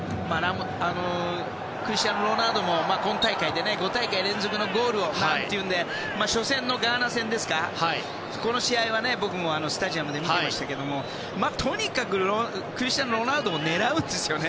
クリスティアーノ・ロナウドも今大会で５大会連続のゴールをなんていうんで初戦のガーナ戦は、僕もスタジアムで見ていましたがとにかくクリスティアーノ・ロナウドを狙うんですよね。